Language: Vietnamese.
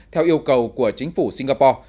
theo yêu cầu của chính phủ singapore